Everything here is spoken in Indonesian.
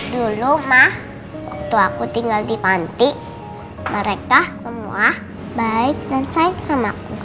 dulu mah waktu aku tinggal di panti mereka semua baik dan sayang samaku